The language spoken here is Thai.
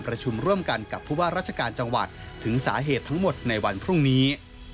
ประชุมร่วมกันกับผู้ว่าราชการจังหวัดถึงสาเหตุทั้งหมดในวันพรุ่งนี้